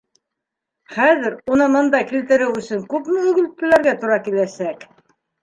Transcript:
Хәҙер уны бында килтереү өсөн күпме өгөтләргә тура киләсәк!